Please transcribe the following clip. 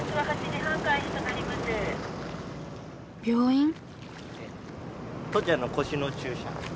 病院？